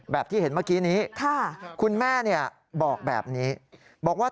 ที่เห็นเมื่อกี้นี้คุณแม่เนี่ยบอกแบบนี้บอกว่า